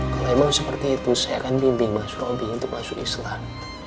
kalau memang seperti itu saya akan membimbing mas robi untuk masuk islam